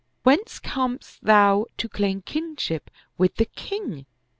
Whence comest thou to claim kinship with the king?